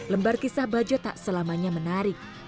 lembar kisah bajo tak selamanya menarik